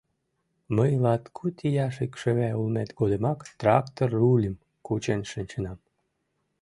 — Мый латкуд ияш икшыве улмем годымак трактор рульым кучен шинчынам.